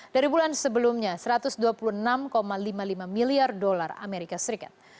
dari bulan sebelumnya satu ratus dua puluh enam lima puluh lima miliar dolar amerika serikat